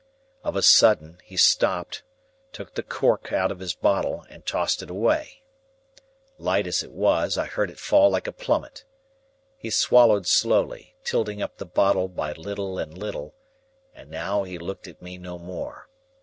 Of a sudden, he stopped, took the cork out of his bottle, and tossed it away. Light as it was, I heard it fall like a plummet. He swallowed slowly, tilting up the bottle by little and little, and now he looked at me no more.